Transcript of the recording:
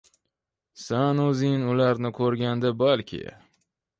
Sen o’zing ularni ko’rganda, balki